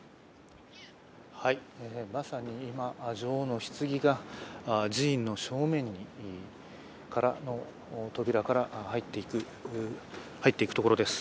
まさに今、女王のひつぎが寺院の正面の扉から入っていくところです。